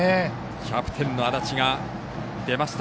キャプテンの安達が出ました。